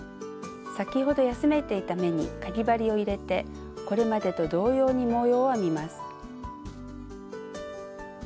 先ほど休めていた目にかぎ針を入れてこれまでと同様に模様を編みます。